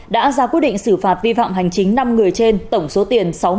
đã ra quy định xử phạt vi phạm hành chính năm người trên tổng số tiền sáu mươi hai triệu đồng